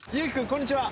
こんにちは！